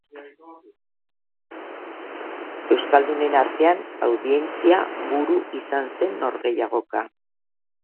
Euskaldunen artean audientzia-buru izan zen norgehiagoka.